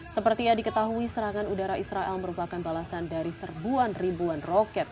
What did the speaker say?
seperti yang diketahui serangan udara israel merupakan balasan dari serbuan ribuan roket